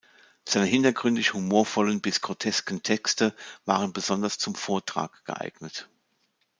Seine hintergründig-humorvollen bis grotesken Texte waren besonders zum Vortrag geeignet.